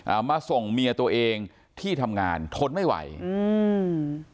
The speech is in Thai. มาส่งเมียตัวเองที่ทำงานทนไม่ไหวอืม